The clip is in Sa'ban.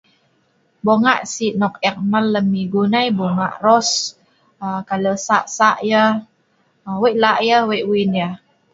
Bunga' si nok ek n'nal lem igu nai, bunga' Ros wei' lah' yah wei' win yah.